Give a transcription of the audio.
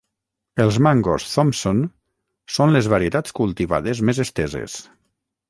Els mangos Thompson són les varietats cultivades més esteses.